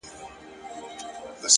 تک سپين کالي کړيدي ـ